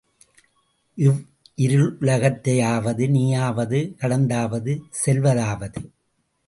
இவ்விருளுலகத்தையாவது நீயாவது கடந்தாவது செல்வ தாவது?